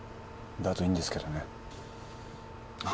だといいんですけどね。